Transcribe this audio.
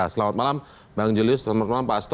selamat malam bang julius selamat malam pak asto